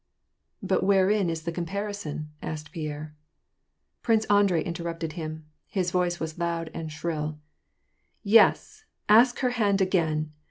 " But wherein is the comparison ?" asked Pierre. Prince Andrei interrupted him. His voice was loud and shrill :—" Yes, ask her hand again.